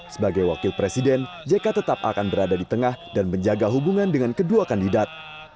sebagai wakil presiden jk tetap akan berada di tengah dan menjaga hubungan dengan kedua kandidat